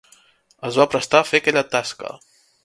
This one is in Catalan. Es va prestar a fer aquella tasca.